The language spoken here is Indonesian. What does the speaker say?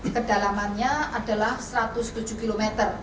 kedalamannya adalah satu ratus tujuh km